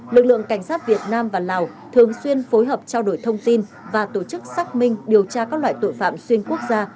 lực lượng cảnh sát việt nam và lào thường xuyên phối hợp trao đổi thông tin và tổ chức xác minh điều tra các loại tội phạm xuyên quốc gia